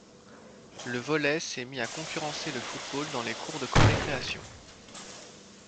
Le volley se mit à concurrencer le football dans les cours de récréation.